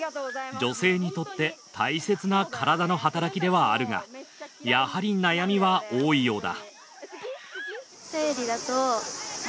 女性にとって大切な体の働きではあるがやはり悩みは多いようだ